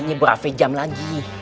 ini berapa jam lagi